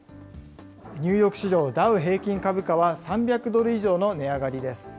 ニューヨーク市場ダウ平均株価は、３００ドル以上の値上がりです。